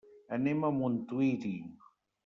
Anem a Montuïri.